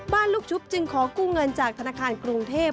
ลูกชุบจึงขอกู้เงินจากธนาคารกรุงเทพ